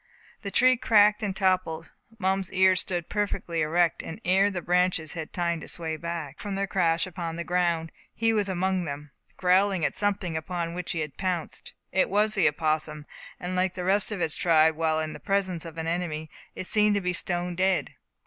The tree cracked and toppled. Mum's ears stood perfectly erect; and ere the branches had time to sway back, from their crash upon the ground, he was among them, growling at something upon which he had pounced. It was the opossum; and like all the rest of its tribe when in the presence of an enemy, it seemed to be stone dead.